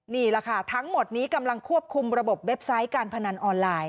นี่แหละค่ะทั้งหมดนี้กำลังควบคุมระบบเว็บไซต์การพนันออนไลน์